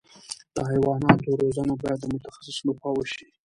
د حیواناتو روزنه باید د متخصص له خوا وشي.